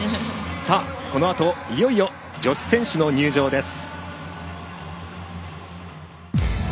このあと、いよいよ女子選手の入場です。